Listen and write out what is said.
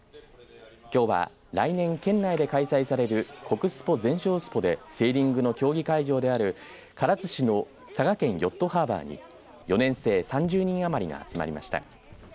きょうは来年県内で開催される国スポ・全障スポでセーリングの競技会場である唐津市の佐賀県ヨットハーバーに４年生３０人余りが集まりました。